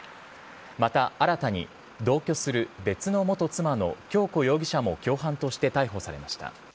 また新たに、同居する別の元妻の恭子容疑者も共犯として逮捕されました。